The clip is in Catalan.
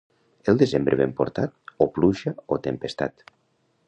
El desembre ben portat, o pluja o tempestat.